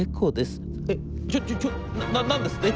『えっちょちょちょ何ですって？